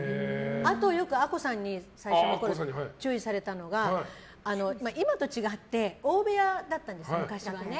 あと、よくアッコさんに最初のころ注意されたのが今と違って大部屋だったんです、昔はね。